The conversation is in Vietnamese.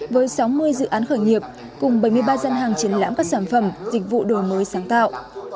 với sáu mươi dự án khởi nghiệp cùng bảy mươi ba dân hàng triển lãm các sản phẩm dịch vụ đổi mới sáng tạo